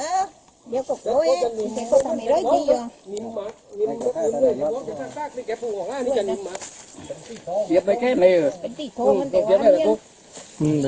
เหลืองเท้าอย่างนั้น